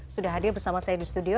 sudah hadir bersama saya di studio